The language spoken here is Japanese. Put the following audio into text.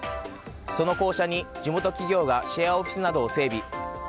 その校舎に地元企業がシェアオフィスなどを整備。